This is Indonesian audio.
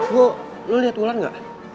bu lu lihat bulan gak